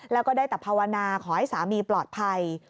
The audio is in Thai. แล้วก็ได้แต่ภาวนาขอให้สามีปลอดภัย